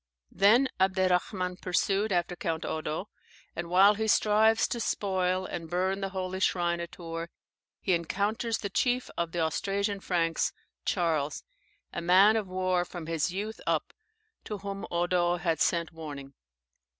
Then Abderrahman pursued after Count Eudo, and while he strives to spoil and burn the holy shrine at Tours, he encounters the chief of the Austrasian Franks, Charles, a man of war from his youth up, to whom Eudo had sent warning.